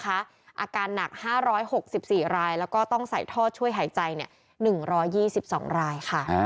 อาการหนัก๕๖๔รายแล้วก็ต้องใส่ท่อช่วยหายใจ๑๒๒รายค่ะ